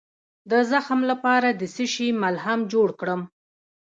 د زخم لپاره د څه شي ملهم جوړ کړم؟